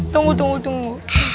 tunggu tunggu tunggu